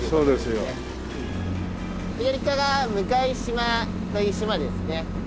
左手が向島という島ですね。